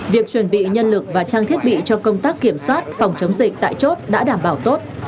việc chuẩn bị nhân lực và trang thiết bị cho công tác kiểm soát phòng chống dịch tại chốt đã đảm bảo tốt